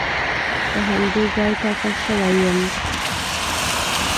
په همدې ځای ټاکل شوی یم.